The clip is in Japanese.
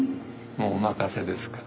もうお任せですから。